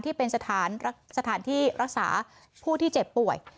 ที่เป็นสถานที่รักษาผู้ที่เจ็บป่วย